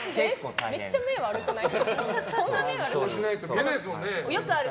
めっちゃ目悪くない？